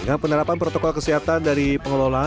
dengan penerapan protokol kesehatan dari pengelola